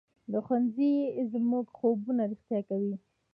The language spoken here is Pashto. ښوونځی زموږ خوبونه رښتیا کوي